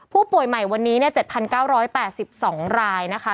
ผู้ป่วยใหม่วันนี้๗๙๘๒รายนะคะ